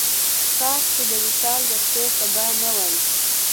کاش چې د وصال د شپې سبا نه وای.